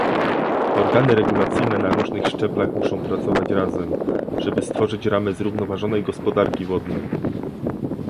Organy regulacyjne na różnych szczeblach muszą pracować razem, żeby stworzyć ramy zrównoważonej gospodarki wodnej